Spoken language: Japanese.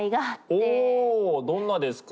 おおどんなですか？